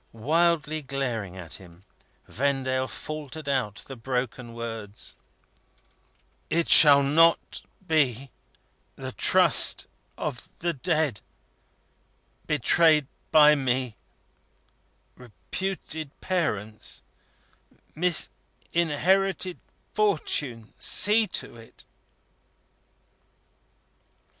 Wildly glaring at him, Vendale faltered out the broken words: "It shall not be the trust of the dead betrayed by me reputed parents misinherited fortune see to it!"